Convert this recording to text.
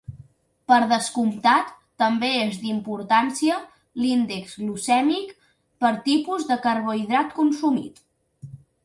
Per descomptat, també és d'importància l'índex glucèmic del tipus de carbohidrat consumit.